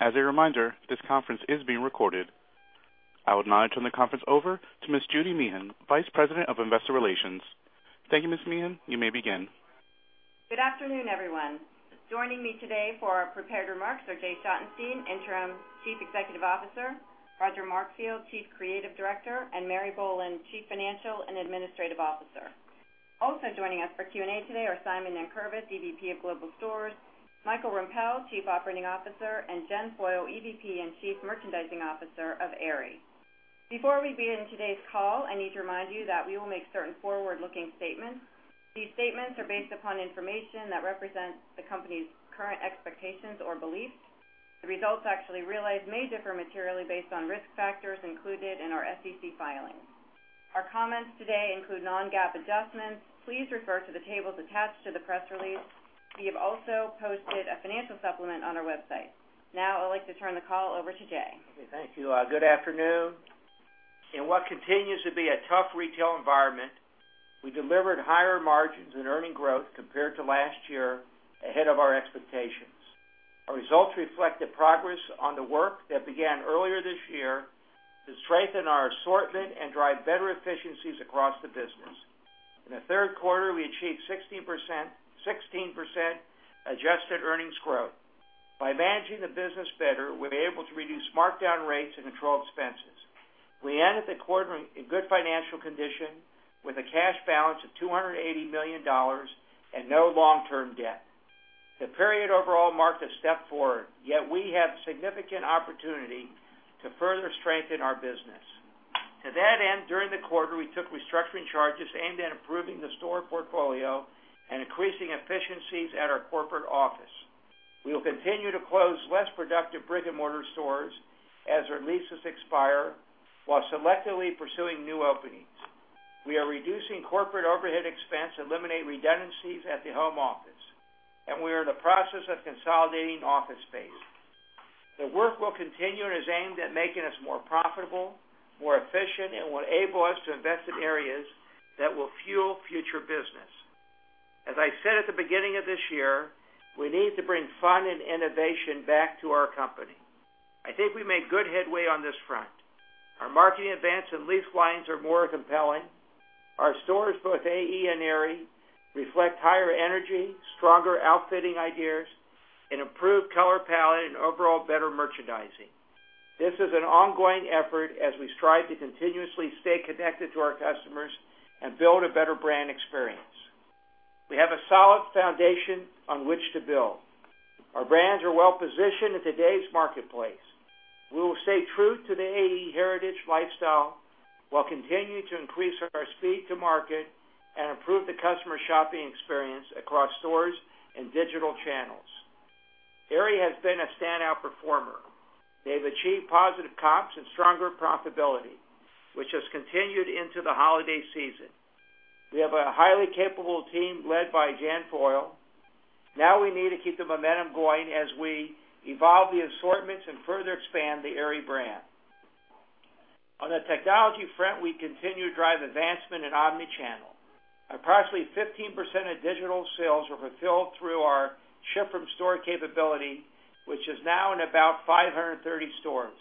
As a reminder, this conference is being recorded. I would now turn the conference over to Ms. Judy Meehan, Vice President of Investor Relations. Thank you, Ms. Meehan. You may begin. Good afternoon, everyone. Joining me today for our prepared remarks are Jay Schottenstein, Interim Chief Executive Officer, Roger Markfield, Chief Creative Director, and Mary Boland, Chief Financial and Administrative Officer. Also joining us for Q&A today are Simon Nankervis, EVP of Global Stores, Michael Rempell, Chief Operating Officer, and Jen Foyle, EVP and Chief Merchandising Officer of Aerie. Before we begin today's call, I need to remind you that we will make certain forward-looking statements. These statements are based upon information that represents the company's current expectations or beliefs. The results actually realized may differ materially based on risk factors included in our SEC filings. Our comments today include non-GAAP adjustments. Please refer to the tables attached to the press release. We have also posted a financial supplement on our website. I'd like to turn the call over to Jay. Thank you. Good afternoon. In what continues to be a tough retail environment, we delivered higher margins and earnings growth compared to last year ahead of our expectations. Our results reflect the progress on the work that began earlier this year to strengthen our assortment and drive better efficiencies across the business. In the third quarter, we achieved 16% adjusted earnings growth. By managing the business better, we were able to reduce markdown rates and control expenses. We ended the quarter in good financial condition with a cash balance of $280 million and no long-term debt. The period overall marked a step forward, yet we have significant opportunity to further strengthen our business. To that end, during the quarter, we took restructuring charges aimed at improving the store portfolio and increasing efficiencies at our corporate office. We will continue to close less productive brick-and-mortar stores as their leases expire while selectively pursuing new openings. We are reducing corporate overhead expense, eliminate redundancies at the home office, and we are in the process of consolidating office space. The work will continue and is aimed at making us more profitable, more efficient, and will enable us to invest in areas that will fuel future business. As I said at the beginning of this year, we need to bring fun and innovation back to our company. I think we made good headway on this front. Our marketing events and lease lines are more compelling. Our stores, both AE and Aerie, reflect higher energy, stronger outfitting ideas, an improved color palette, and overall better merchandising. This is an ongoing effort as we strive to continuously stay connected to our customers and build a better brand experience. We have a solid foundation on which to build. Our brands are well positioned in today's marketplace. We will stay true to the AE heritage lifestyle while continuing to increase our speed to market and improve the customer shopping experience across stores and digital channels. Aerie has been a standout performer. They've achieved positive comps and stronger profitability, which has continued into the holiday season. We have a highly capable team led by Jen Foyle. Now we need to keep the momentum going as we evolve the assortments and further expand the Aerie brand. On the technology front, we continue to drive advancement in omni-channel. Approximately 15% of digital sales were fulfilled through our ship-from-store capability, which is now in about 530 stores.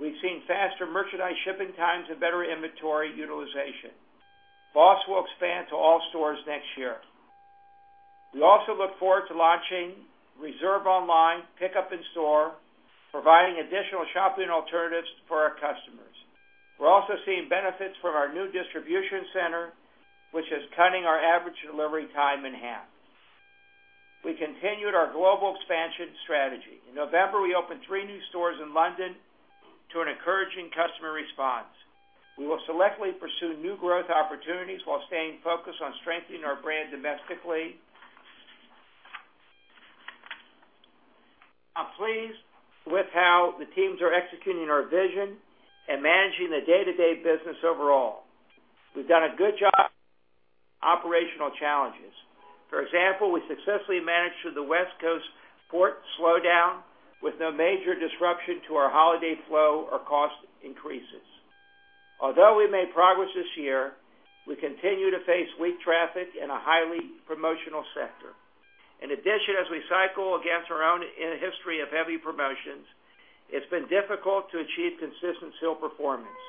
We've seen faster merchandise shipping times and better inventory utilization. BOSS will expand to all stores next year. We also look forward to launching reserve online, pickup in store, providing additional shopping alternatives for our customers. We're also seeing benefits from our new distribution center, which is cutting our average delivery time in half. We continued our global expansion strategy. In November, we opened three new stores in London to an encouraging customer response. We will selectively pursue new growth opportunities while staying focused on strengthening our brand domestically. I'm pleased with how the teams are executing our vision and managing the day-to-day business overall. We've done a good job operational challenges. For example, we successfully managed through the West Coast port slowdown with no major disruption to our holiday flow or cost increases. Although we made progress this year, we continue to face weak traffic in a highly promotional sector. As we cycle against our own history of heavy promotions, it's been difficult to achieve consistent sales performance.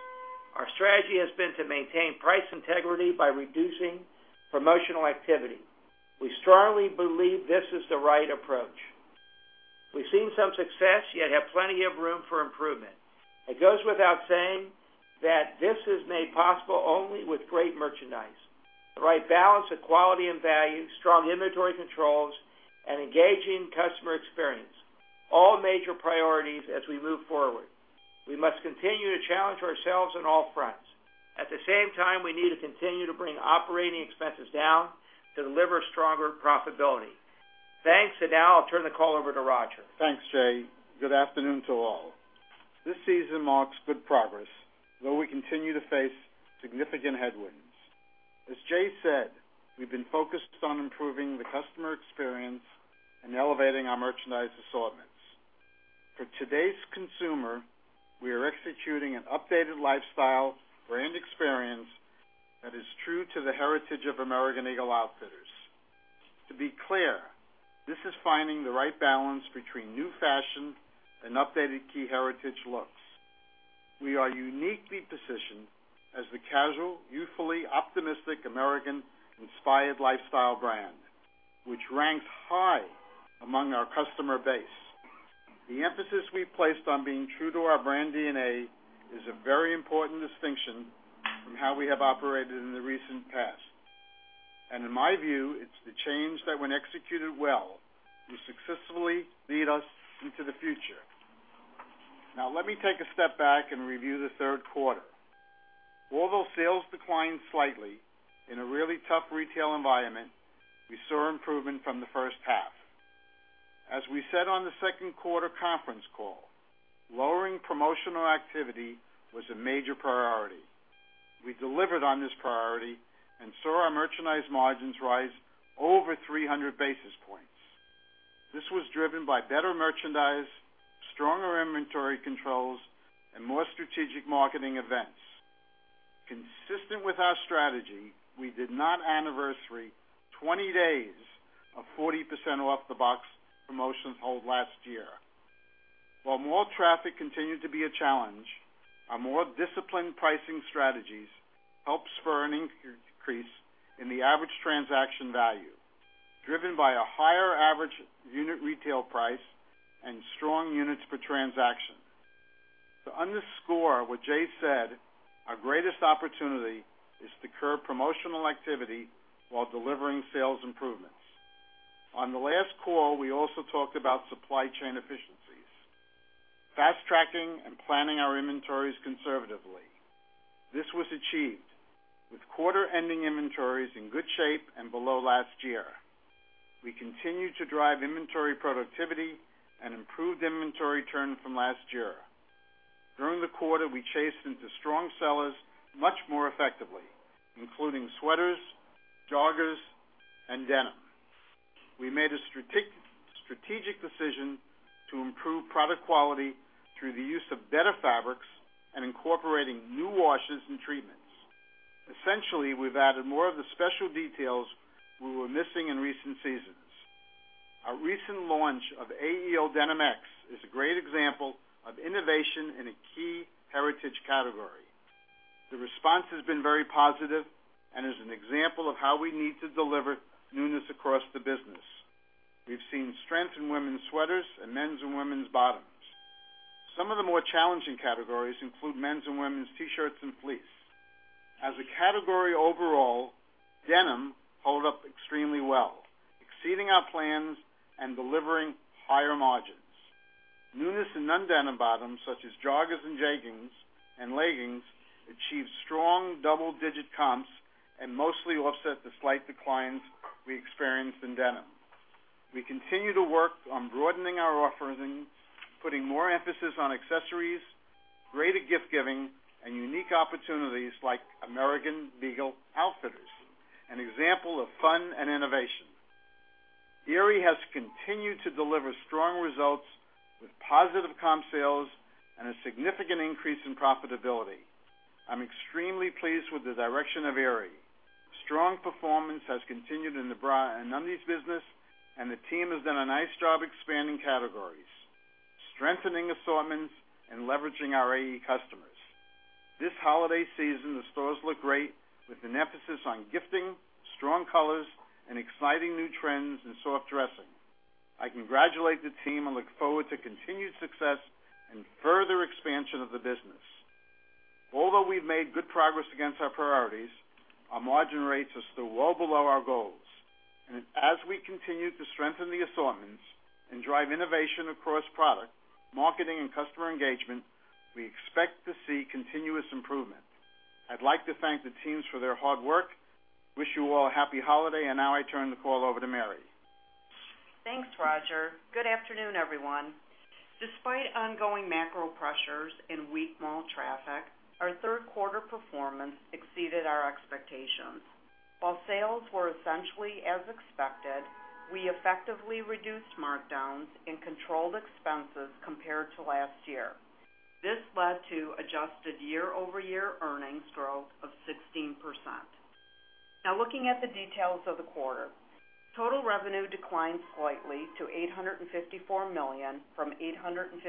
Our strategy has been to maintain price integrity by reducing promotional activity. We strongly believe this is the right approach. We've seen some success, yet have plenty of room for improvement. It goes without saying that this is made possible only with great merchandise. The right balance of quality and value, strong inventory controls, and engaging customer experience, all major priorities as we move forward. We must continue to challenge ourselves on all fronts. At the same time, we need to continue to bring operating expenses down to deliver stronger profitability. Thanks. Now I'll turn the call over to Roger. Thanks, Jay. Good afternoon to all. As Jay said, we've been focused on improving the customer experience and elevating our merchandise assortments. For today's consumer, we are executing an updated lifestyle brand experience that is true to the heritage of American Eagle Outfitters. To be clear, this is finding the right balance between new fashion and updated key heritage looks. We are uniquely positioned as the casual, youthfully optimistic American-inspired lifestyle brand, which ranks high among our customer base. The emphasis we placed on being true to our brand DNA is a very important distinction from how we have operated in the recent past. In my view, it's the change that when executed well, will successfully lead us into the future. Let me take a step back and review the third quarter. Although sales declined slightly in a really tough retail environment, we saw improvement from the first half. As we said on the second quarter conference call, lowering promotional activity was a major priority. We delivered on this priority and saw our merchandise margins rise over 300 basis points. This was driven by better merchandise, stronger inventory controls, and more strategic marketing events. Consistent with our strategy, we did not anniversary 20 days of 40% off the box promotions held last year. While mall traffic continued to be a challenge, our more disciplined pricing strategies helped spur an increase in the average transaction value, driven by a higher average unit retail price and strong units per transaction. To underscore what Jay said, our greatest opportunity is to curb promotional activity while delivering sales improvements. On the last call, we also talked about supply chain efficiencies, fast-tracking and planning our inventories conservatively. This was achieved with quarter-ending inventories in good shape and below last year. We continued to drive inventory productivity and improved inventory turn from last year. During the quarter, we chased into strong sellers much more effectively, including sweaters, joggers, and denim. We made a strategic decision to improve product quality through the use of better fabrics and incorporating new washes and treatments. Essentially, we've added more of the special details we were missing in recent seasons. Our recent launch of AEO Denim X is a great example of innovation in a key heritage category. The response has been very positive and is an example of how we need to deliver newness across the business. We've seen strength in women's sweaters and men's and women's bottoms. Some of the more challenging categories include men's and women's T-shirts and fleece. As a category overall, denim held up extremely well, exceeding our plans and delivering higher margins. Newness in non-denim bottoms such as joggers and jeggings and leggings achieved strong double-digit comps and mostly offset the slight declines we experienced in denim. We continue to work on broadening our offerings, putting more emphasis on accessories, greater gift-giving, and unique opportunities like American Eagle Outfitters, an example of fun and innovation. Aerie has continued to deliver strong results with positive comp sales and a significant increase in profitability. I'm extremely pleased with the direction of Aerie. Strong performance has continued in the bra and undies business, and the team has done a nice job expanding categories, strengthening assortments, and leveraging our AE customers. This holiday season, the stores look great, with an emphasis on gifting, strong colors, and exciting new trends in soft dressing. I congratulate the team and look forward to continued success and further expansion of the business. We've made good progress against our priorities, our margin rates are still well below our goals. As we continue to strengthen the assortments and drive innovation across product, marketing, and customer engagement, we expect to see continuous improvement. I'd like to thank the teams for their hard work. Wish you all a happy holiday, and now I turn the call over to Mary. Thanks, Roger. Good afternoon, everyone. Despite ongoing macro pressures and weak mall traffic, our third quarter performance exceeded our expectations. While sales were essentially as expected, we effectively reduced markdowns and controlled expenses compared to last year. This led to adjusted year-over-year earnings growth of 16%. Looking at the details of the quarter. Total revenue declined slightly to $854 million from $857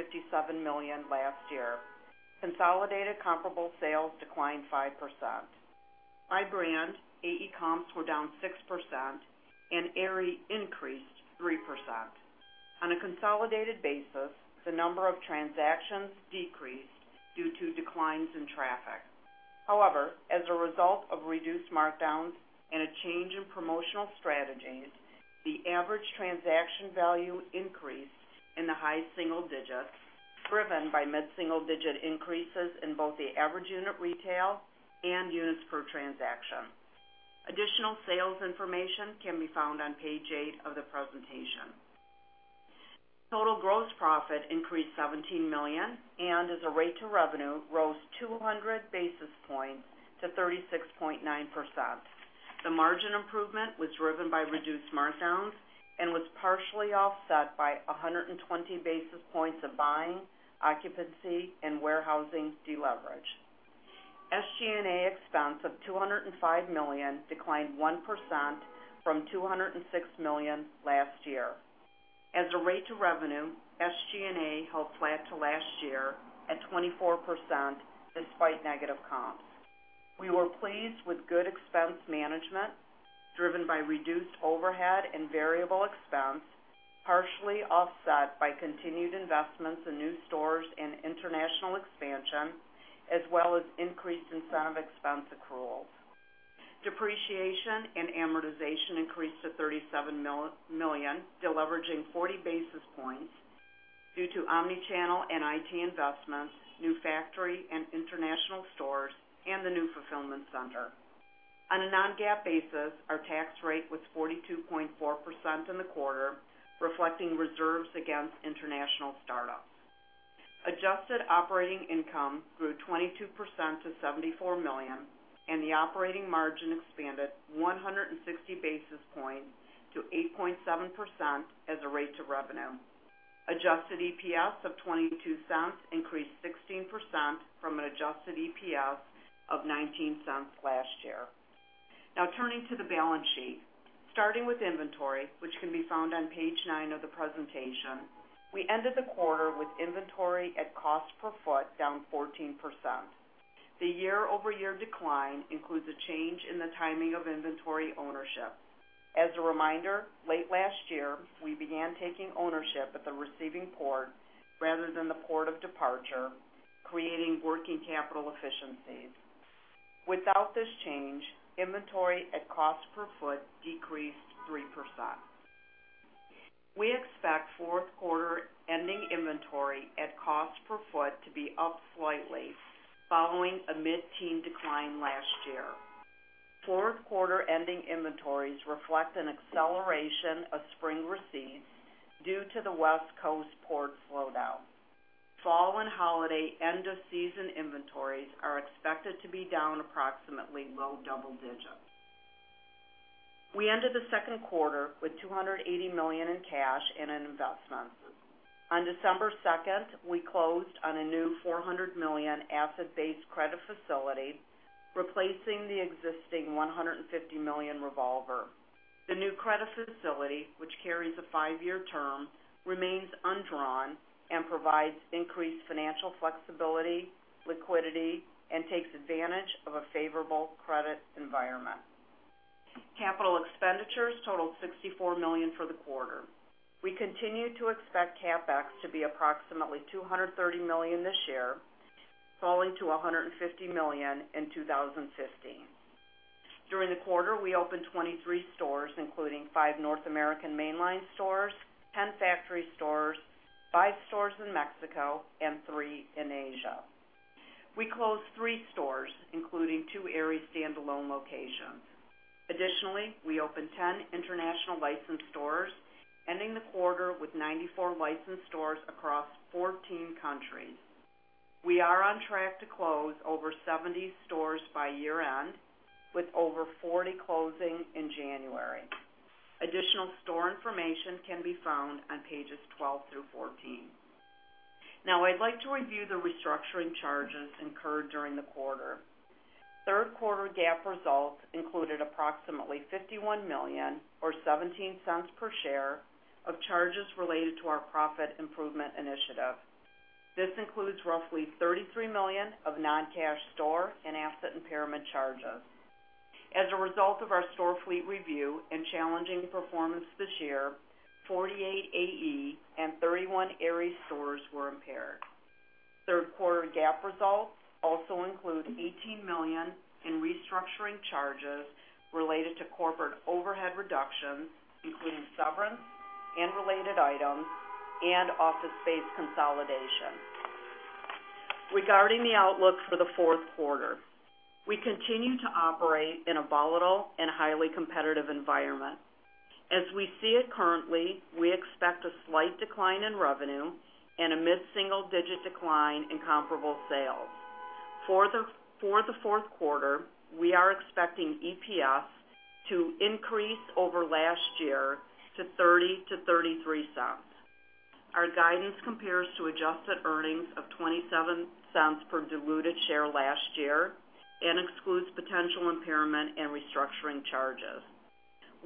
million last year. Consolidated comparable sales declined 5%. By brand, AE comps were down 6%, and Aerie increased 3%. On a consolidated basis, the number of transactions decreased due to declines in traffic. However, as a result of reduced markdowns and a change in promotional strategies, the average transaction value increased in the high single digits, driven by mid-single-digit increases in both the average unit retail and units per transaction. Additional sales information can be found on page eight of the presentation. Total gross profit increased $17 million. As a rate to revenue, rose 200 basis points to 36.9%. The margin improvement was driven by reduced markdowns and was partially offset by 120 basis points of buying, occupancy, and warehousing deleverage. SG&A expense of $205 million declined 1% from $206 million last year. As a rate to revenue, SG&A held flat to last year at 24%, despite negative comps. We were pleased with good expense management, driven by reduced overhead and variable expense, partially offset by continued investments in new stores and international expansion, as well as increased incentive expense accruals. Depreciation and amortization increased to $37 million, deleveraging 40 basis points due to omni-channel and IT investments, new factory and international stores, and the new fulfillment center. On a non-GAAP basis, our tax rate was 42.4% in the quarter, reflecting reserves against international startups. Adjusted operating income grew 22% to $74 million. The operating margin expanded 160 basis points to 8.7% as a rate to revenue. Adjusted EPS of $0.22 increased 16% from an adjusted EPS of $0.19 last year. Turning to the balance sheet. Starting with inventory, which can be found on page nine of the presentation, we ended the quarter with inventory at cost per foot down 14%. The year-over-year decline includes a change in the timing of inventory ownership. As a reminder, late last year, we began taking ownership at the receiving port rather than the port of departure, creating working capital efficiencies. Without this change, inventory at cost per foot decreased 3%. We expect fourth quarter ending inventory at cost per foot to be up slightly following a mid-teen decline last year. Fourth quarter ending inventories reflect an acceleration of spring receipts due to the West Coast port slowdown. Fall and holiday end-of-season inventories are expected to be down approximately low double digits. We ended the second quarter with $280 million in cash and in investments. On December 2nd, we closed on a new $400 million asset-based credit facility, replacing the existing $150 million revolver. The new credit facility, which carries a five-year term, remains undrawn and provides increased financial flexibility, liquidity, and takes advantage of a favorable credit environment. Capital expenditures totaled $64 million for the quarter. We continue to expect CapEx to be approximately $230 million this year, falling to $150 million in 2015. During the quarter, we opened 23 stores, including five North American mainline stores, 10 factory stores, five stores in Mexico, and three in Asia. We closed three stores, including two Aerie standalone locations. Additionally, we opened 10 international licensed stores, ending the quarter with 94 licensed stores across 14 countries. We are on track to close over 70 stores by year-end, with over 40 closing in January. Additional store information can be found on pages 12 through 14. I'd like to review the restructuring charges incurred during the quarter. Third quarter GAAP results included approximately $51 million, or $0.17 per share, of charges related to our profit improvement initiative. This includes roughly $33 million of non-cash store and asset impairment charges. As a result of our store fleet review and challenging performance this year, 48 AE and 31 Aerie stores were impaired. Third quarter GAAP results also include $18 million in restructuring charges related to corporate overhead reductions, including severance and related items and office space consolidation. Regarding the outlook for the fourth quarter, we continue to operate in a volatile and highly competitive environment. As we see it currently, we expect a slight decline in revenue and a mid-single-digit decline in comparable sales. For the fourth quarter, we are expecting EPS to increase over last year to $0.30-$0.33. Our guidance compares to adjusted earnings of $0.27 per diluted share last year and excludes potential impairment and restructuring charges.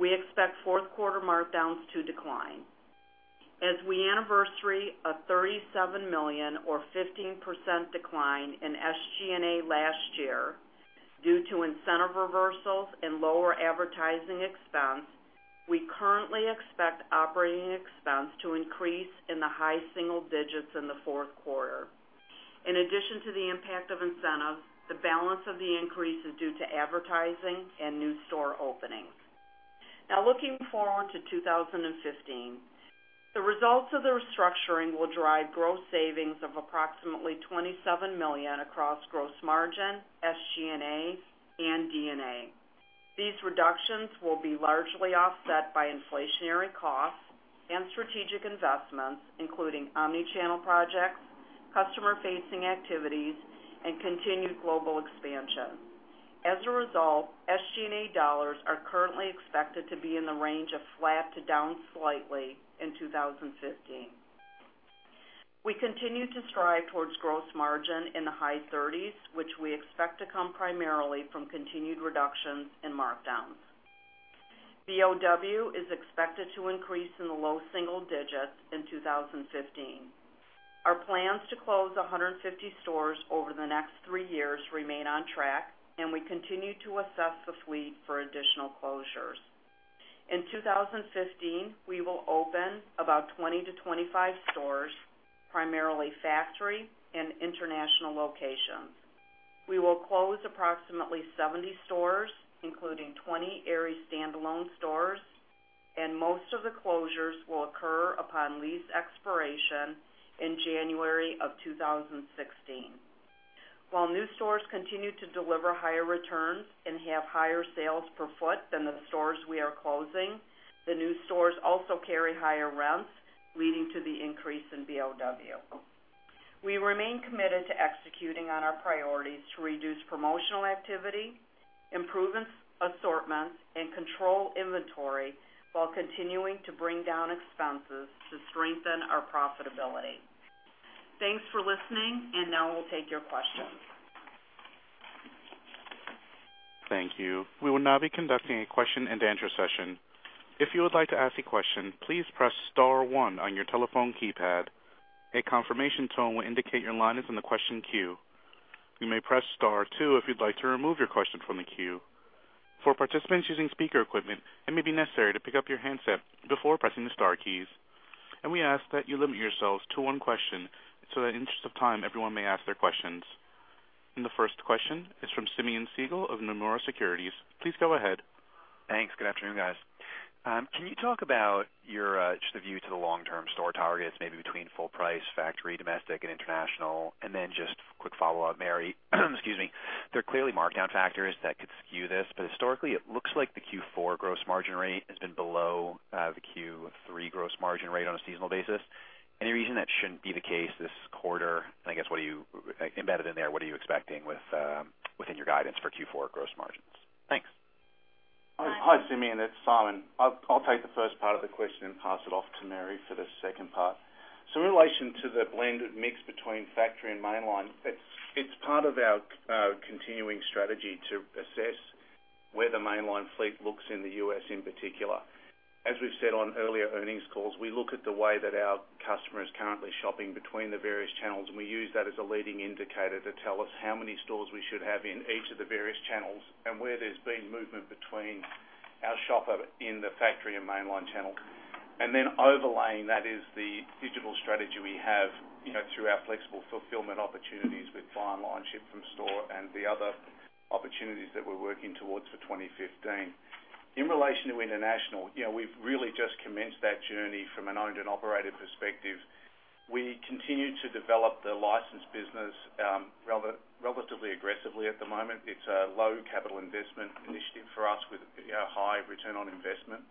We expect fourth quarter markdowns to decline. As we anniversary a $37 million or 15% decline in SG&A last year due to incentive reversals and lower advertising expense, we currently expect operating expense to increase in the high single digits in the fourth quarter. In addition to the impact of incentives, the balance of the increase is due to advertising and new store openings. Looking forward to 2015, the results of the restructuring will drive gross savings of approximately $27 million across gross margin, SG&A, and G&A. These reductions will be largely offset by inflationary costs and strategic investments, including omni-channel projects, customer-facing activities, and continued global expansion. As a result, SG&A dollars are currently expected to be in the range of flat to down slightly in 2015. We continue to strive towards gross margin in the high 30s, which we expect to come primarily from continued reductions in markdowns. BOW is expected to increase in the low single digits in 2015. Our plans to close 150 stores over the next three years remain on track, and we continue to assess the fleet for additional closures. In 2015, we will open about 20 to 25 stores, primarily factory and international locations. We will close approximately 70 stores, including 20 Aerie standalone stores, and most of the closures will occur upon lease expiration in January of 2016. While new stores continue to deliver higher returns and have higher sales per foot than the stores we are closing, the new stores also carry higher rents, leading to the increase in BOW. We remain committed to executing on our priorities to reduce promotional activity, improve assortments, and control inventory while continuing to bring down expenses to strengthen our profitability. Thanks for listening. Now we'll take your questions. Thank you. We will now be conducting a question-and-answer session. If you would like to ask a question, please press *1 on your telephone keypad. A confirmation tone will indicate your line is in the question queue. You may press *2 if you'd like to remove your question from the queue. For participants using speaker equipment, it may be necessary to pick up your handset before pressing the star keys. We ask that you limit yourselves to one question so that in the interest of time, everyone may ask their questions. The first question is from Simeon Siegel of Nomura Securities. Please go ahead. Thanks. Good afternoon, guys. Can you talk about your view to the long-term store targets, maybe between full price, factory, domestic, and international? Just a quick follow-up, Mary, excuse me. Historically, it looks like the Q4 gross margin rate has been below the Q3 gross margin rate on a seasonal basis. Any reason that shouldn't be the case this quarter? I guess embedded in there, what are you expecting within your guidance for Q4 gross margins? Thanks. Simon. Hi, Simeon. It's Simon. I'll take the first part of the question and pass it off to Mary for the second part. In relation to the blended mix between factory and mainline, it's part of our continuing strategy to assess where the mainline fleet looks in the U.S., in particular. As we've said on earlier earnings calls, we look at the way that our customer is currently shopping between the various channels. We use that as a leading indicator to tell us how many stores we should have in each of the various channels and where there's been movement between our shopper in the factory and mainline channel. Overlaying that is the digital strategy we have through our flexible fulfillment opportunities with buy online, ship from store, and the other opportunities that we're working towards for 2015. In relation to international, we've really just commenced that journey from an owned and operated perspective. We continue to develop the licensed business relatively aggressively at the moment. It's a low capital investment initiative for us with a high return on investment.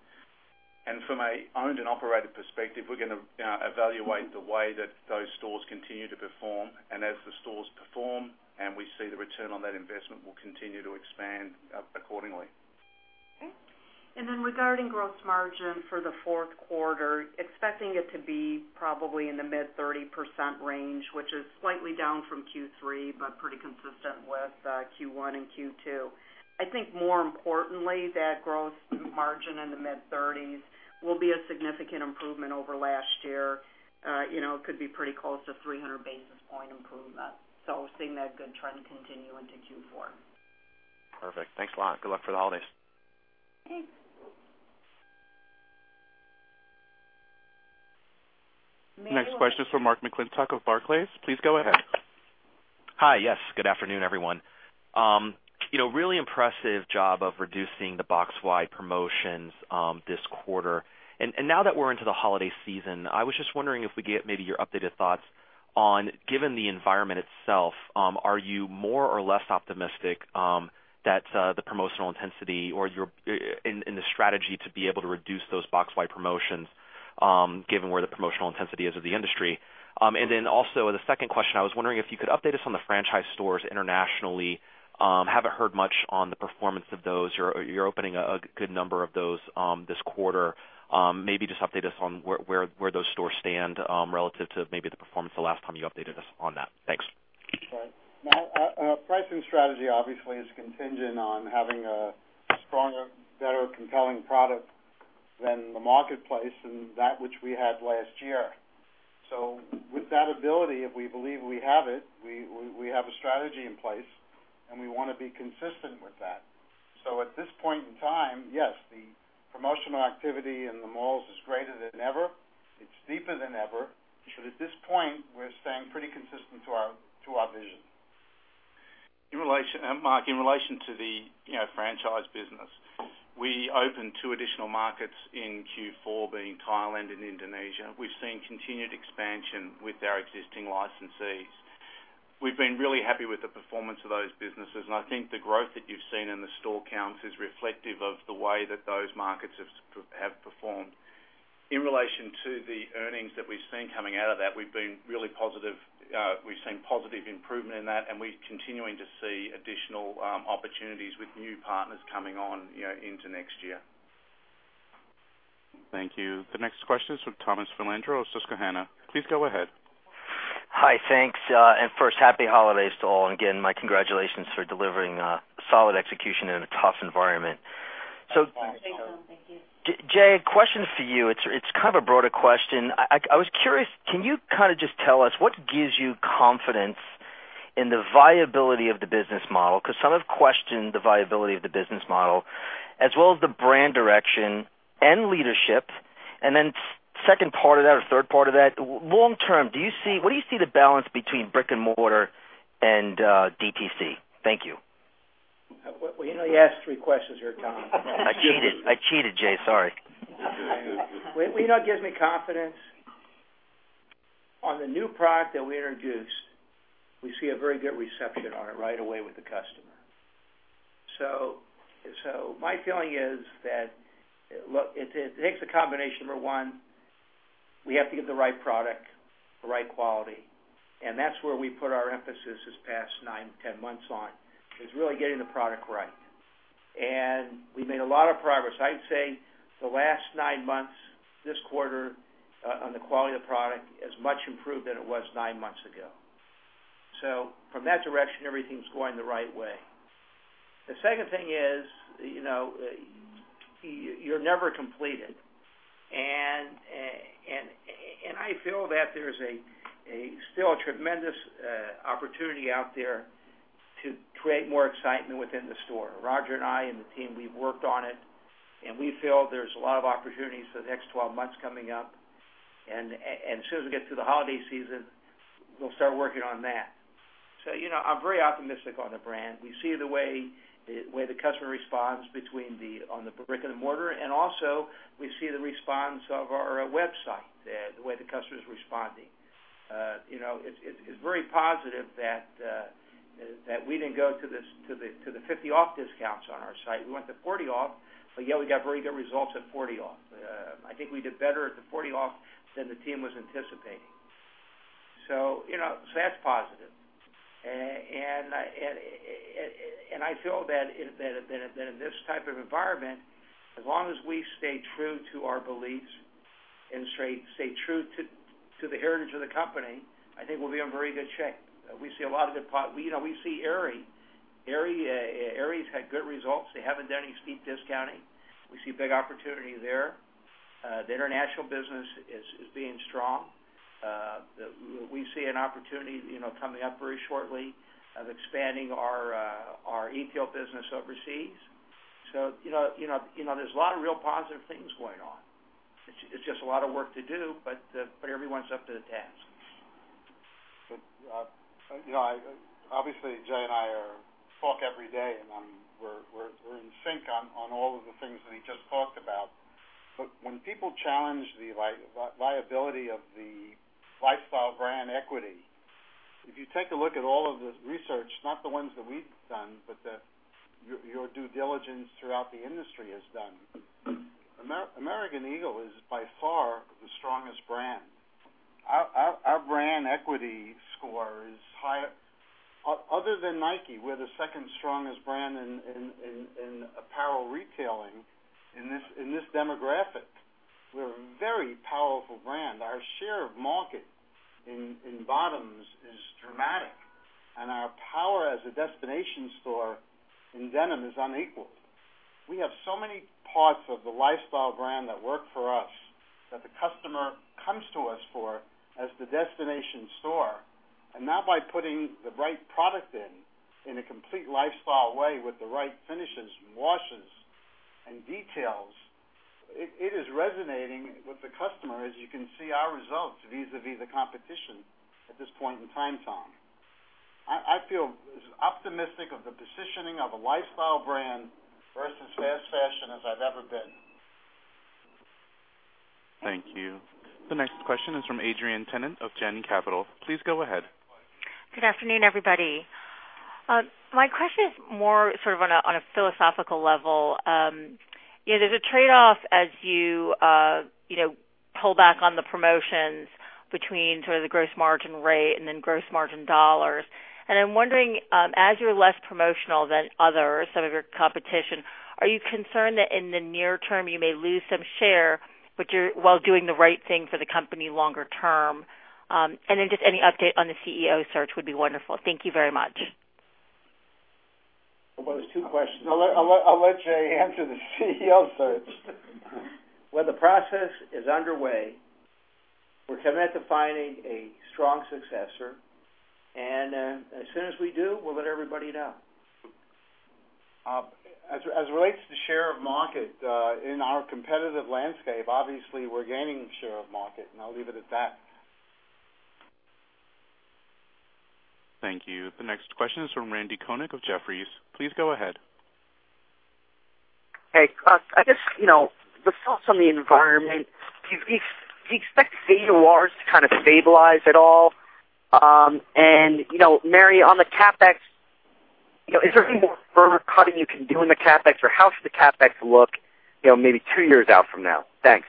From an owned and operated perspective, we're going to evaluate the way that those stores continue to perform. As the stores perform, and we see the return on that investment, we'll continue to expand accordingly. Okay. Regarding gross margin for the fourth quarter, expecting it to be probably in the mid-30% range, which is slightly down from Q3, but pretty consistent with Q1 and Q2. I think more importantly, that gross margin in the mid-30s will be a significant improvement over last year. It could be pretty close to a 300-basis point improvement. Seeing that good trend continue into Q4. Perfect. Thanks a lot. Good luck for the holidays. Thanks. Mary. Next question is from Matthew McClintock of Barclays. Please go ahead. Hi. Yes. Good afternoon, everyone. Really impressive job of reducing the box-wide promotions this quarter. Now that we're into the holiday season, I was just wondering if we could get maybe your updated thoughts on, given the environment itself, are you more or less optimistic that the promotional intensity or in the strategy to be able to reduce those box-wide promotions, given where the promotional intensity is of the industry? Also, the second question, I was wondering if you could update us on the franchise stores internationally. Haven't heard much on the performance of those. You're opening a good number of those this quarter. Maybe just update us on where those stores stand relative to maybe the performance the last time you updated us on that. Thanks. Right. Pricing strategy obviously is contingent on having a stronger, better compelling product than the marketplace and that which we had last year. With that ability, if we believe we have it, we have a strategy in place, and we want to be consistent with that. At this point in time, yes, the promotional activity in the malls is greater than ever. It's deeper than ever. At this point, we're staying pretty consistent to our vision. Matthew, in relation to the franchise business, we opened two additional markets in Q4, being Thailand and Indonesia. We've seen continued expansion with our existing licensees. We've been really happy with the performance of those businesses, I think the growth that you've seen in the store counts is reflective of the way that those markets have performed. In relation to the earnings that we've seen coming out of that, we've been really positive. We've seen positive improvement in that, and we're continuing to see additional opportunities with new partners coming on into next year. Thank you. The next question is from Thomas Filandro, Susquehanna. Please go ahead. Hi, thanks. First, happy holidays to all, and again, my congratulations for delivering a solid execution in a tough environment. Thanks, Tom. Thank you. Jay, a question for you. It's kind of a broader question. I was curious, can you kind of just tell us what gives you confidence in the viability of the business model? Because some have questioned the viability of the business model, as well as the brand direction and leadership. Then second part of that, or third part of that, long term, what do you see the balance between brick and mortar and DTC? Thank you. Well, you know you asked three questions there, Tom. I cheated. I cheated, Jay. Sorry. Well, you know what gives me confidence? On the new product that we introduced, we see a very good reception on it right away with the customer. My feeling is that, look, it takes a combination of one, we have to get the right product, the right quality, and that's where we put our emphasis this past nine, 10 months on, is really getting the product right. We've made a lot of progress. I'd say the last nine months, this quarter, on the quality of the product is much improved than it was nine months ago. From that direction, everything's going the right way. The second thing is, you're never completed, and I feel that there's still a tremendous opportunity out there to create more excitement within the store. Roger and I and the team, we've worked on it, we feel there's a lot of opportunities for the next 12 months coming up, as soon as we get through the holiday season, we'll start working on that. I'm very optimistic on the brand. We see the way the customer responds between the brick and mortar, also we see the response of our website, the way the customer's responding. It's very positive that we didn't go to the 50% off discounts on our site. We went to 40% off. Yeah, we got very good results at 40% off. I think we did better at the 40% off than the team was anticipating. That's positive. I feel that in this type of environment, as long as we stay true to our beliefs and stay true to the heritage of the company, I think we'll be in very good shape. We see Aerie. Aerie's had good results. They haven't done any steep discounting. We see a big opportunity there. The international business is being strong. We see an opportunity coming up very shortly of expanding our e-tail business overseas. There's a lot of real positive things going on. It's just a lot of work to do, but everyone's up to the task. Obviously Jay and I talk every day, and we're in sync on all of the things that he just talked about. When people challenge the viability of the lifestyle brand equity, if you take a look at all of the research, not the ones that we've done, but that your due diligence throughout the industry has done, American Eagle is by far the strongest brand. Our brand equity score is higher. Other than Nike, we're the second strongest brand in apparel retailing in this demographic. We're a very powerful brand. Our share of market in bottoms is dramatic, and our power as a destination store in denim is unequaled. We have so many parts of the lifestyle brand that work for us that the customer comes to us for as the destination store. Now by putting the right product in a complete lifestyle way with the right finishes and washes and details, it is resonating with the customer, as you can see our results vis-a-vis the competition at this point in time, Tom. I feel as optimistic of the positioning of a lifestyle brand versus fast fashion as I've ever been. Thank you. The next question is from Adrienne Tennant of Janney Capital Markets. Please go ahead. Good afternoon, everybody. My question is more sort of on a philosophical level. There's a trade-off as you pull back on the promotions between sort of the gross margin rate and then gross margin dollars. I'm wondering, as you're less promotional than others, some of your competition, are you concerned that in the near term, you may lose some share, but you're while doing the right thing for the company longer term? Then just any update on the CEO search would be wonderful. Thank you very much. Well, there's two questions. I'll let Jay answer the CEO search. Well, the process is underway. We're committed to finding a strong successor, and as soon as we do, we'll let everybody know. As it relates to share of market, in our competitive landscape, obviously, we're gaining share of market, and I'll leave it at that. Thank you. The next question is from Randy Konik of Jefferies. Please go ahead. Hey. I guess, the thoughts on the environment, do you expect denim wars to kind of stabilize at all? Mary, on the CapEx Is there any more further cutting you can do in the CapEx, or how should the CapEx look maybe two years out from now? Thanks.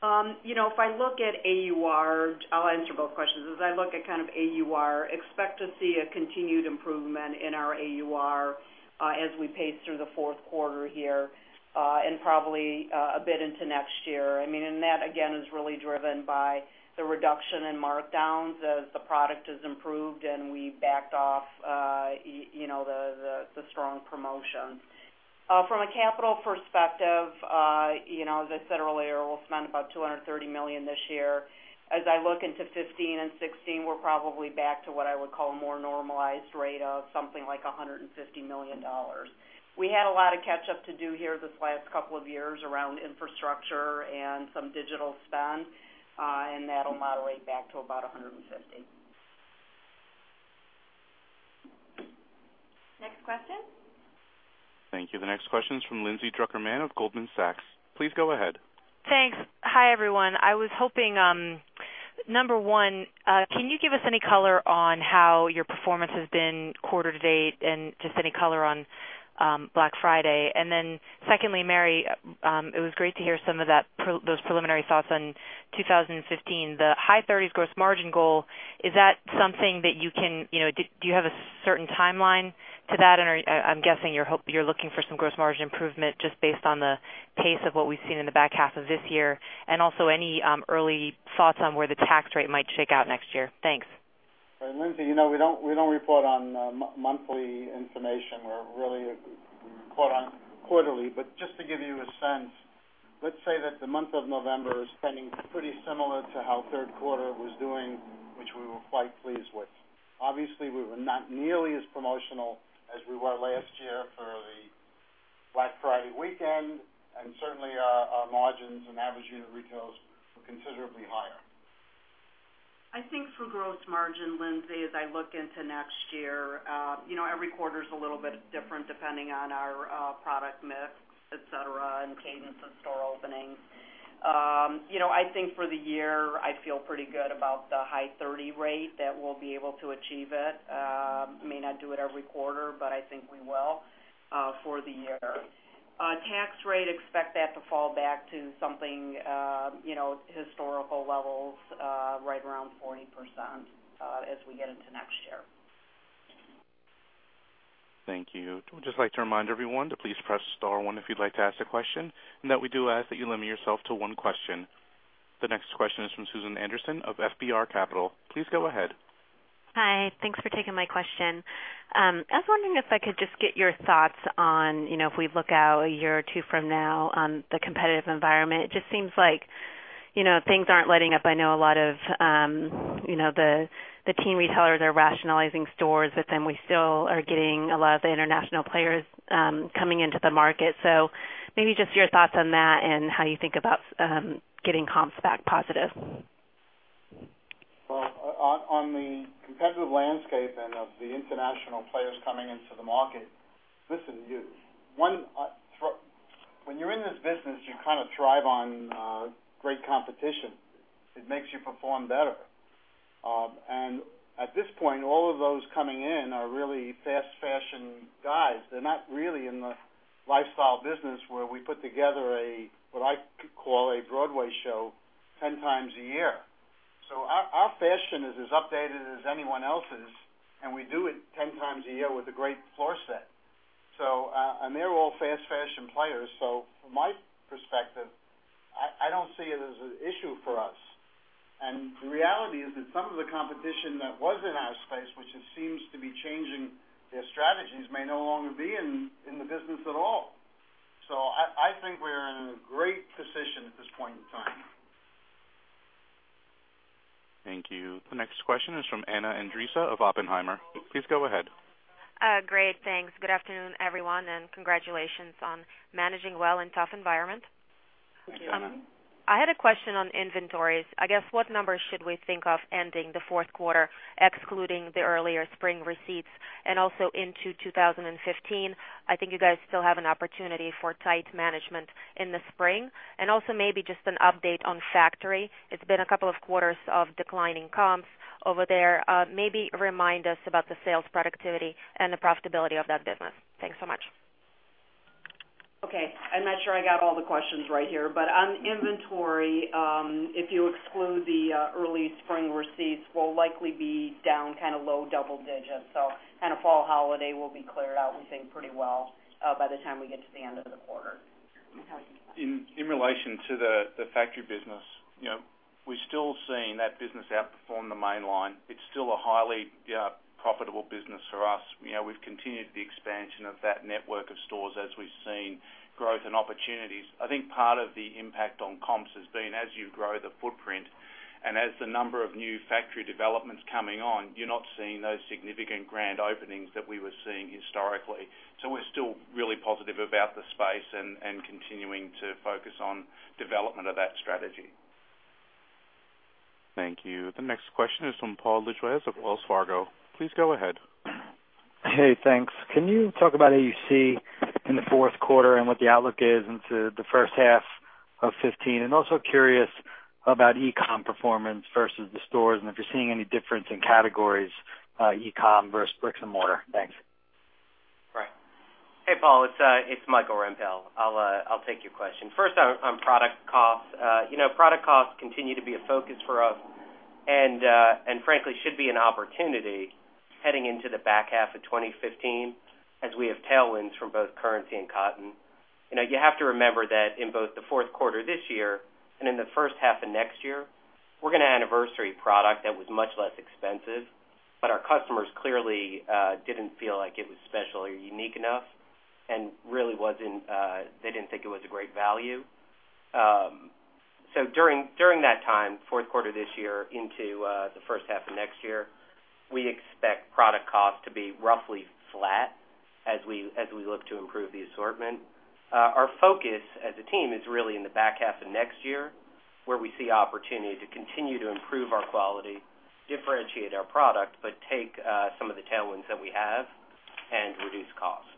If I look at AUR, I'll answer both questions. As I look at kind of AUR, expect to see a continued improvement in our AUR, as we pace through the fourth quarter here, and probably a bit into next year. That, again, is really driven by the reduction in markdowns as the product has improved and we backed off the strong promotions. From a capital perspective, as I said earlier, we'll spend about $230 million this year. As I look into 2015 and 2016, we're probably back to what I would call a more normalized rate of something like $150 million. We had a lot of catch up to do here this last couple of years around infrastructure and some digital spend. That'll modulate back to about $150 million. Next question. Thank you. The next question is from Lindsay Drucker Mann of Goldman Sachs. Please go ahead. Thanks. Hi, everyone. I was hoping, number one, can you give us any color on how your performance has been quarter to date and just any color on Black Friday? Secondly, Mary, it was great to hear some of those preliminary thoughts on 2015. The high 30s gross margin goal, is that something that you can Do you have a certain timeline to that? I'm guessing you're looking for some gross margin improvement just based on the pace of what we've seen in the back half of this year. Also any early thoughts on where the tax rate might shake out next year. Thanks. Lindsay, we don't report on monthly information. We're really caught on quarterly. Just to give you a sense, let's say that the month of November is trending pretty similar to how third quarter was doing, which we were quite pleased with. Obviously, we were not nearly as promotional as we were last year for the Black Friday weekend, and certainly our margins and average unit retails were considerably higher. I think for gross margin, Lindsay, as I look into next year, every quarter is a little bit different depending on our product mix, et cetera, and cadence of store openings. I think for the year, I feel pretty good about the high 30 rate, that we'll be able to achieve it. May not do it every quarter, but I think we will for the year. Tax rate, expect that to fall back to something, historical levels, right around 40% as we get into next year. Thank you. Just like to remind everyone to please press star one if you'd like to ask a question. We do ask that you limit yourself to one question. The next question is from Susan Anderson of FBR Capital. Please go ahead. Hi. Thanks for taking my question. I was wondering if I could just get your thoughts on, if we look out one or two years from now on the competitive environment. It just seems like things aren't letting up. I know a lot of the teen retailers are rationalizing stores. We still are getting a lot of the international players coming into the market. Maybe just your thoughts on that and how you think about getting comps back positive. Well, on the competitive landscape and of the international players coming into the market. Listen, when you're in this business, you kind of thrive on great competition. It makes you perform better. At this point, all of those coming in are really fast fashion guys. They're not really in the lifestyle business where we put together a, what I could call a Broadway show 10 times a year. Our fashion is as updated as anyone else's, and we do it 10 times a year with a great floor set. They're all fast fashion players. From my perspective, I don't see it as an issue for us. The reality is that some of the competition that was in our space, which it seems to be changing their strategies, may no longer be in the business at all. I think we're in a great position at this point in time. Thank you. The next question is from Anna Andreeva of Oppenheimer. Please go ahead. Great. Thanks. Good afternoon, everyone. Congratulations on managing well in tough environment. Thank you. I had a question on inventories. I guess what numbers should we think of ending the fourth quarter, excluding the earlier spring receipts and also into 2015? I think you guys still have an opportunity for tight management in the spring. Also maybe just an update on factory. It's been a couple of quarters of declining comps over there. Maybe remind us about the sales productivity and the profitability of that business. Thanks so much. Okay. I'm not sure I got all the questions right here, but on inventory, if you exclude the early spring receipts, we'll likely be down kind of low double digits. Fall holiday will be cleared out, we think, pretty well, by the time we get to the end of the quarter. In relation to the factory business, we're still seeing that business outperform the mainline. It's still a highly profitable business for us. We've continued the expansion of that network of stores as we've seen growth and opportunities. I think part of the impact on comps has been as you grow the footprint and as the number of new factory developments coming on, you're not seeing those significant grand openings that we were seeing historically. We're still really positive about the space and continuing to focus on development of that strategy. Thank you. The next question is from Paul Lejuez of Wells Fargo. Please go ahead. Hey, thanks. Can you talk about AUC in the fourth quarter and what the outlook is into the first half of 2015. Also curious about e-com performance versus the stores, and if you're seeing any difference in categories, e-com versus bricks and mortar. Thanks. Right. Hey, Paul, it's Michael Rempell. I'll take your question. First on product costs. Product costs continue to be a focus for us, and frankly, should be an opportunity heading into the back half of 2015, as we have tailwinds from both currency and cotton. You have to remember that in both the fourth quarter this year and in the first half of next year, we're going to anniversary product that was much less expensive, but our customers clearly didn't feel like it was special or unique enough, and really they didn't think it was a great value. During that time, fourth quarter this year into the first half of next year, we expect product costs to be roughly flat as we look to improve the assortment. Our focus as a team is really in the back half of next year, where we see opportunity to continue to improve our quality, differentiate our product, but take some of the tailwinds that we have and reduce costs.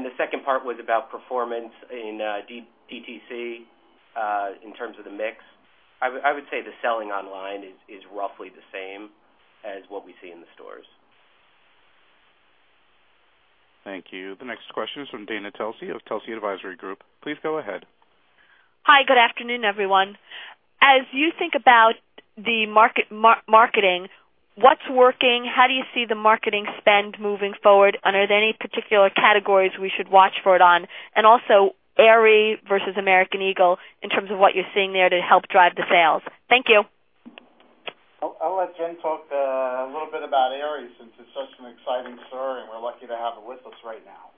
The second part was about performance in DTC, in terms of the mix. I would say the selling online is roughly the same as what we see in the stores. Thank you. The next question is from Dana Telsey of Telsey Advisory Group. Please go ahead. Hi. Good afternoon, everyone. As you think about the marketing, what's working, how do you see the marketing spend moving forward? Are there any particular categories we should watch for it on? Also Aerie versus American Eagle in terms of what you're seeing there to help drive the sales. Thank you. I'll let Jen talk a little bit about Aerie since it's such an exciting story and we're lucky to have it with us right now.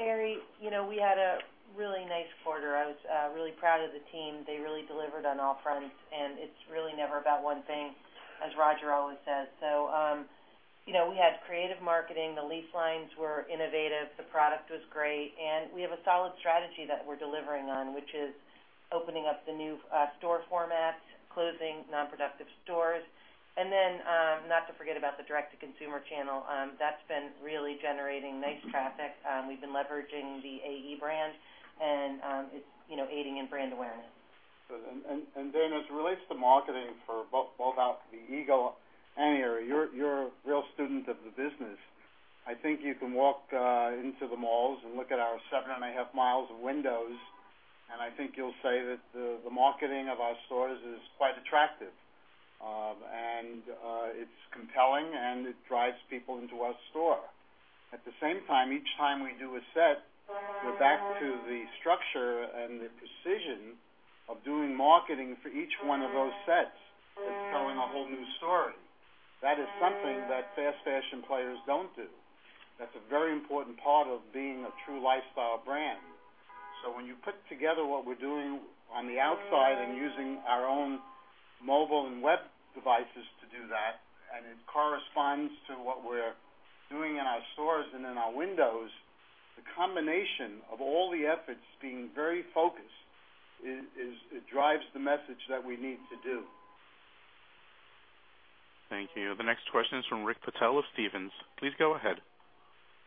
Aerie, we had a really nice quarter. I was really proud of the team. They really delivered on all fronts, and it's really never about one thing, as Roger always says. We had creative marketing. The lease lines were innovative. The product was great. We have a solid strategy that we're delivering on, which is opening up the new store formats, closing non-productive stores, and then not to forget about the direct-to-consumer channel. That's been really generating nice traffic. We've been leveraging the AE brand, and it's aiding in brand awareness. Dana, as it relates to marketing for both the Eagle and Aerie, you're a real student of the business. I think you can walk into the malls and look at our seven and a half miles of windows, I think you'll say that the marketing of our stores is quite attractive. It's compelling, and it drives people into our store. At the same time, each time we do a set, we're back to the structure and the precision of doing marketing for each one of those sets. It's telling a whole new story. That is something that fast fashion players don't do. That's a very important part of being a true lifestyle brand. When you put together what we're doing on the outside using our own mobile and web devices to do that, it corresponds to what we're doing in our stores and in our windows, the combination of all the efforts being very focused, it drives the message that we need to do. Thank you. The next question is from Rick Patel of Stephens. Please go ahead.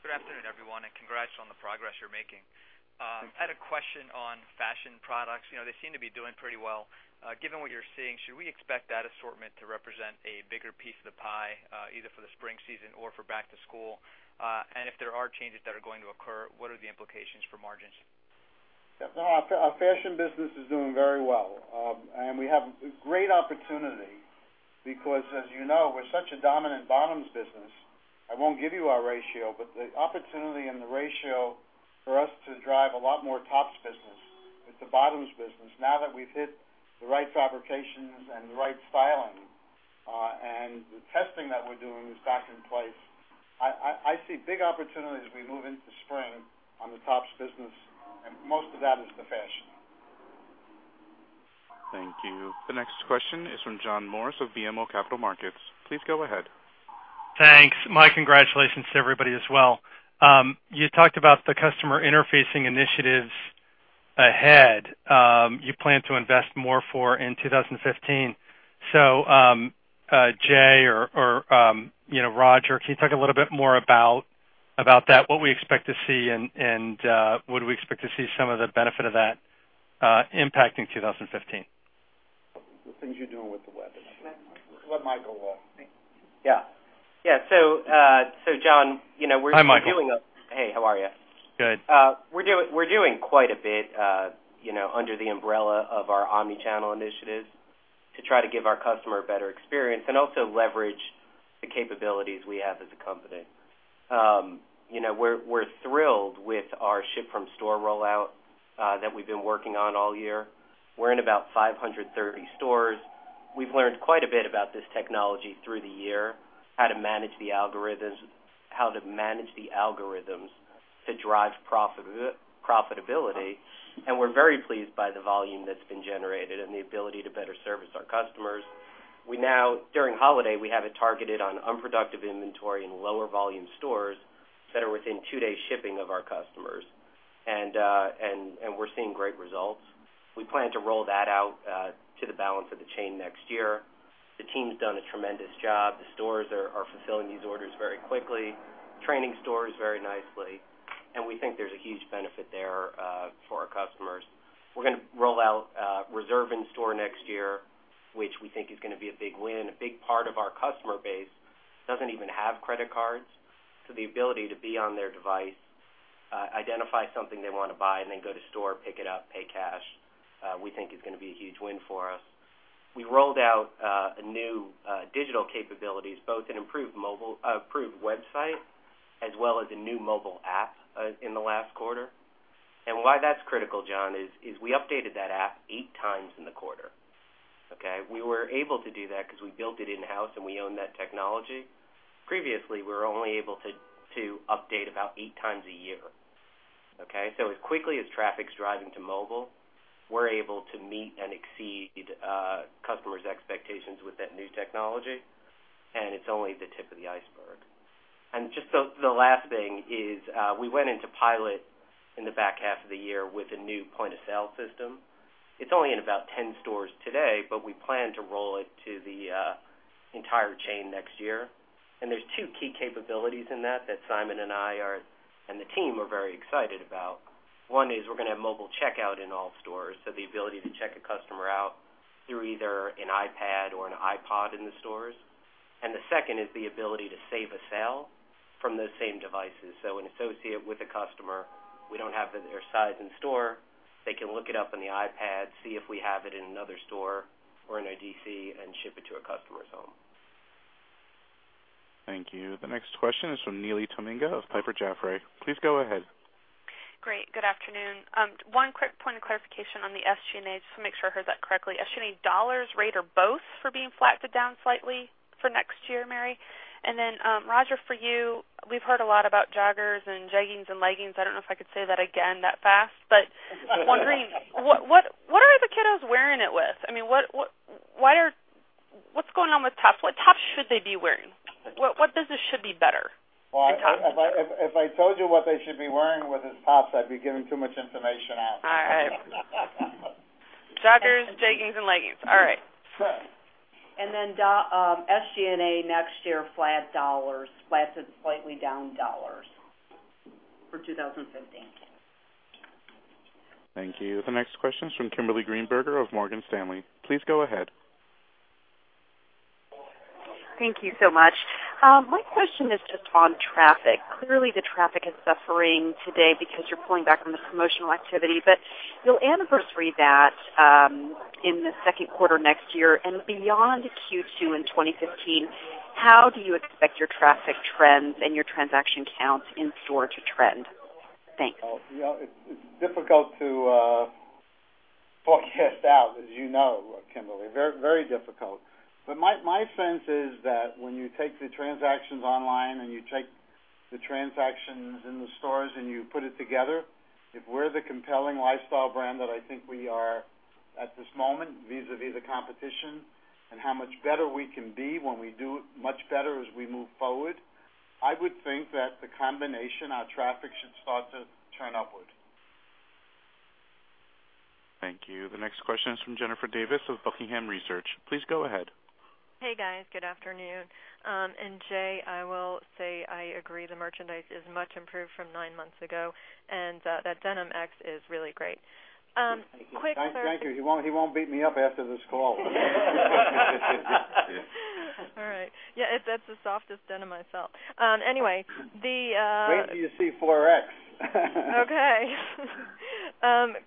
Good afternoon, everyone. Congrats on the progress you're making. I had a question on fashion products. They seem to be doing pretty well. Given what you're seeing, should we expect that assortment to represent a bigger piece of the pie, either for the spring season or for back to school? If there are changes that are going to occur, what are the implications for margins? Well, our fashion business is doing very well. We have great opportunity because as you know, we're such a dominant bottoms business. I won't give you our ratio, but the opportunity and the ratio for us to drive a lot more tops business with the bottoms business, now that we've hit the right fabrications and the right styling. The testing that we're doing is back in place. I see big opportunities as we move into spring on the tops business, most of that is the fashion. Thank you. The next question is from John Morris of BMO Capital Markets. Please go ahead. Thanks. My congratulations to everybody as well. You talked about the customer interfacing initiatives ahead. You plan to invest more for in 2015. Jay or Roger, can you talk a little bit more about that? What we expect to see, would we expect to see some of the benefit of that impact in 2015? The things you're doing with the web. Let Michael. Let Michael. Yeah. John. Hi, Michael. Hey, how are you? Good. We're doing quite a bit under the umbrella of our omni-channel initiatives to try to give our customer a better experience and also leverage the capabilities we have as a company. We're thrilled with our ship from store rollout that we've been working on all year. We're in about 530 stores. We've learned quite a bit about this technology through the year, how to manage the algorithms to drive profitability, and we're very pleased by the volume that's been generated and the ability to better service our customers. During holiday, we have it targeted on unproductive inventory in lower volume stores that are within two-day shipping of our customers. We're seeing great results. We plan to roll that out to the balance of the chain next year. The team's done a tremendous job. The stores are fulfilling these orders very quickly, training stores very nicely, and we think there's a huge benefit there for our customers. We're going to roll out reserve in store next year, which we think is going to be a big win. A big part of our customer base doesn't even have credit cards, so the ability to be on their device, identify something they want to buy, and then go to store, pick it up, pay cash, we think is going to be a huge win for us. We rolled out new digital capabilities, both an improved website as well as a new mobile app in the last quarter. Why that's critical, John, is we updated that app eight times in the quarter. Okay. We were able to do that because we built it in-house and we own that technology. Previously, we were only able to update about eight times a year. Okay. As quickly as traffic's driving to mobile, we're able to meet and exceed customers' expectations with that new technology. It's only the tip of the iceberg. Just the last thing is we went into pilot in the back half of the year with a new point-of-sale system. It's only in about 10 stores today, but we plan to roll it to the entire chain next year. There's two key capabilities in that that Simon and I and the team are very excited about. One is we're going to have mobile checkout in all stores, so the ability to check a customer out through either an iPad or an iPod in the stores. The second is the ability to save a sale from those same devices. An associate with a customer, we don't have their size in store, they can look it up on the iPad, see if we have it in another store or in a DC and ship it to a customer's home. Thank you. The next question is from Neely Tamminga of Piper Jaffray. Please go ahead. Great. Good afternoon. One quick point of clarification on the SG&A, just to make sure I heard that correctly. SG&A dollars, rate, or both for being flat to down slightly for next year, Mary? Then, Roger, for you, we've heard a lot about joggers and jeggings and leggings. I don't know if I could say that again that fast. I'm wondering, what are the kiddos wearing it with? What's going on with tops? What tops should they be wearing? What business should be better in tops? Well, if I told you what they should be wearing with these tops, I'd be giving too much information out. All right. Joggers, jeggings, and leggings. All right. SG&A next year, flat dollars, flat to slightly down dollars for 2015. Thank you. The next question is from Kimberly Greenberger of Morgan Stanley. Please go ahead. Thank you so much. My question is just on traffic. Clearly, the traffic is suffering today because you're pulling back on the promotional activity. You'll anniversary that in the second quarter next year and beyond Q2 in 2015. How do you expect your traffic trends and your transaction counts in-store to trend? Thanks. Well, it's difficult to forecast out, as you know, Kimberly Greenberger. Very difficult. My sense is that when you take the transactions online and you take the transactions in the stores and you put it together, if we're the compelling lifestyle brand that I think we are at this moment, vis-a-vis the competition and how much better we can be when we do much better as we move forward, I would think that the combination, our traffic should start to turn upward. Thank you. The next question is from Jennifer Davis of The Buckingham Research Group. Please go ahead. Hey, guys. Good afternoon. Jay Schottenstein, I will say I agree the merchandise is much improved from nine months ago, and that Denim X is really great. Thank you. He won't beat me up after this call. All right. Yeah, that's the softest denim I've felt. Anyway. Wait till you see 4X. Okay.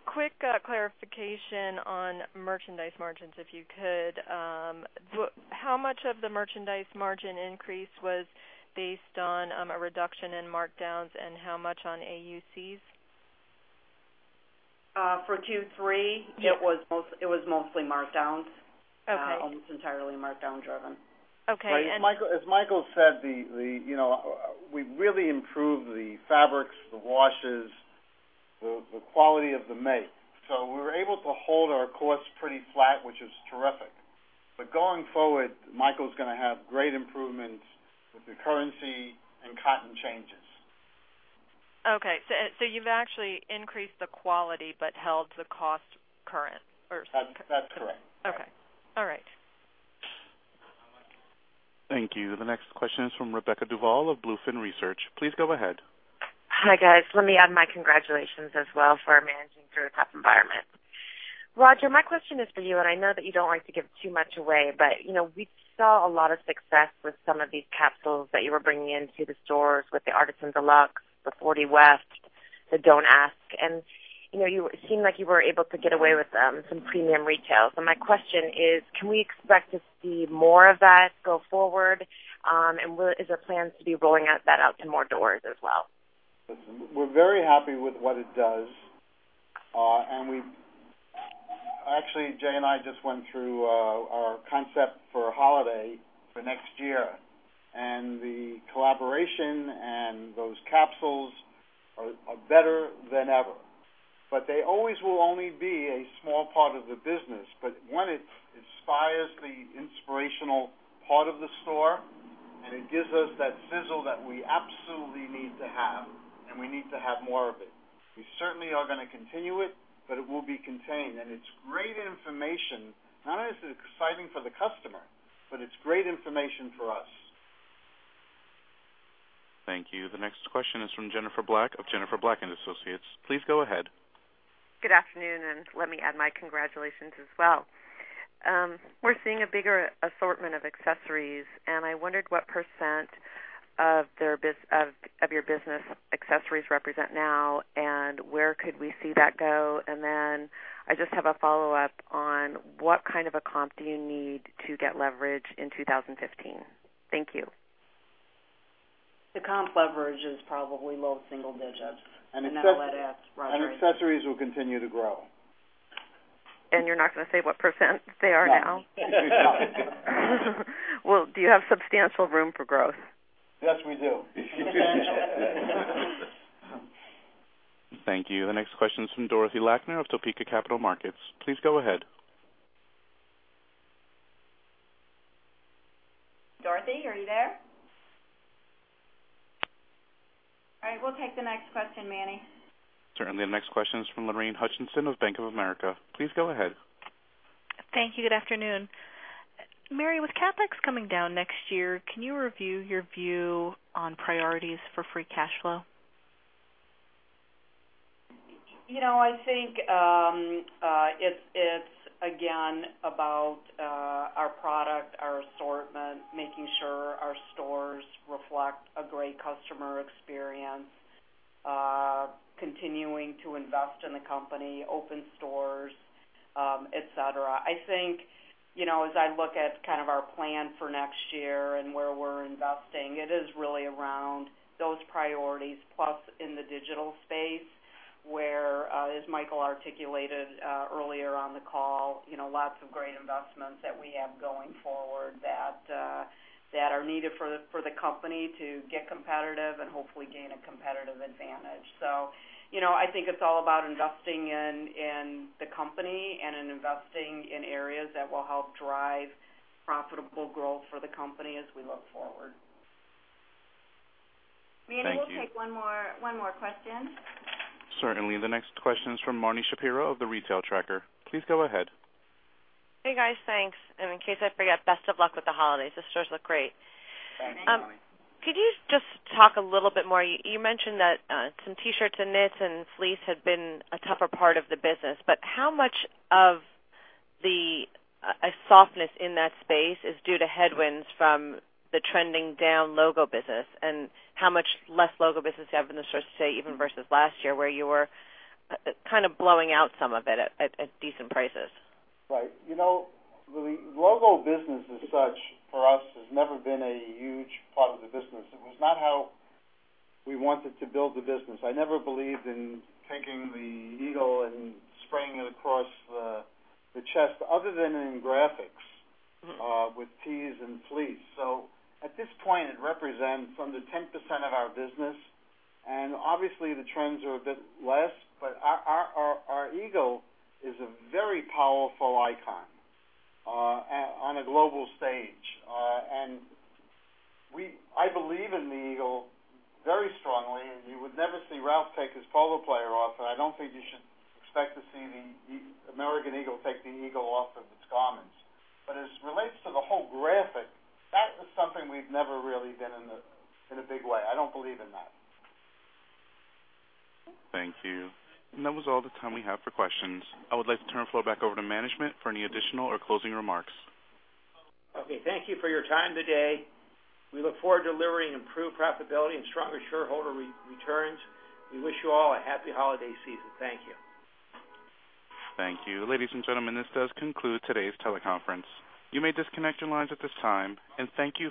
Quick clarification on merchandise margins, if you could. How much of the merchandise margin increase was based on a reduction in markdowns and how much on AUCs? For Q3, it was mostly markdowns. Okay. Almost entirely markdown driven. Okay. As Michael said, we've really improved the fabrics, the washes, the quality of the make. We were able to hold our costs pretty flat, which is terrific. Going forward, Michael's going to have great improvements with the currency and cotton changes. Okay. You've actually increased the quality but held the cost current or- That's correct. Okay. All right. Thank you. The next question is from Rebecca Duval of BlueFin Research. Please go ahead. Hi, guys. Let me add my congratulations as well for managing through a tough environment. Roger, my question is for you, I know that you don't like to give too much away, but we saw a lot of success with some of these capsules that you were bringing into the stores with the Artist and Luxe, the 40 West, the Don't Ask Why, and it seemed like you were able to get away with some premium retail. My question is, can we expect to see more of that go forward? Is there plans to be rolling that out in more doors as well? Listen, we're very happy with what it does. Actually, Jay and I just went through our concept for holiday for next year, the collaboration and those capsules are better than ever. They always will only be a small part of the business. One, it inspires the inspirational part of the store. It gives us that sizzle that we absolutely need to have, and we need to have more of it. We certainly are going to continue it, but it will be contained. It's great information. Not only is it exciting for the customer, but it's great information for us. Thank you. The next question is from Jennifer Black of Jennifer Black & Associates. Please go ahead. Good afternoon, let me add my congratulations as well. We're seeing a bigger assortment of accessories, I wondered what % of your business accessories represent now, and where could we see that go? I just have a follow-up on what kind of a comp do you need to get leverage in 2015. Thank you. The comp leverage is probably low single digits. I'll let Roger elaborate. Accessories will continue to grow. You're not going to say what % they are now? No. Well, do you have substantial room for growth? Yes, we do. Thank you. The next question is from Dorothy Lakner of Topeka Capital Markets. Please go ahead. Dorothy, are you there? All right, we'll take the next question, Manny. Certainly. The next question is from Lorraine Hutchinson of Bank of America. Please go ahead. Thank you. Good afternoon. Mary, with CapEx coming down next year, can you review your view on priorities for free cash flow? I think, it's again about our product, our assortment, making sure our stores reflect a great customer experience, continuing to invest in the company, open stores, et cetera. I think, as I look at our plan for next year and where we're investing, it is really around those priorities, plus in the digital space, where, as Michael articulated earlier on the call, lots of great investments that we have going forward that are needed for the company to get competitive and hopefully gain a competitive advantage. I think it's all about investing in the company and in investing in areas that will help drive profitable growth for the company as we look forward. Thank you. Manny, we'll take one more question. Certainly. The next question is from Marni Shapiro of The Retail Tracker. Please go ahead. Hey, guys. Thanks. In case I forget, best of luck with the holidays. The stores look great. Thank you, Marni. Could you just talk a little bit more. You mentioned that some T-shirts and knits and fleece have been a tougher part of the business, but how much of the softness in that space is due to headwinds from the trending down logo business? How much less logo business you have in the stores today, even versus last year, where you were kind of blowing out some of it at decent prices? Right. Marni, logo business as such for us has never been a huge part of the business. It was not how we wanted to build the business. I never believed in taking the eagle and spraying it across the chest, other than in graphics with tees and fleece. At this point, it represents under 10% of our business. Obviously, the trends are a bit less, but our eagle is a very powerful icon on a global stage. I believe in the eagle very strongly, and you would never see Ralph take his Polo player off, and I don't think you should expect to see the American Eagle take the eagle off of its garments. As it relates to the whole graphic, that is something we've never really been in a big way. I don't believe in that. Thank you. That was all the time we have for questions. I would like to turn the floor back over to management for any additional or closing remarks. Okay. Thank you for your time today. We look forward to delivering improved profitability and stronger shareholder returns. We wish you all a happy holiday season. Thank you. Thank you. Ladies and gentlemen, this does conclude today's teleconference. You may disconnect your lines at this time, and thank you for joining.